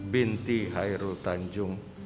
binti hairul tanjung